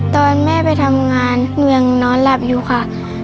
ตอนแม่ไปทำงานหนูยังนอนหลับอยู่ค่ะ